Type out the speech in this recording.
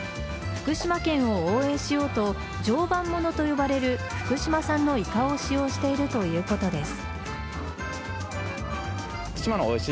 福島県を応援しようと常磐物と呼ばれる福島産のイカを使用しているということです。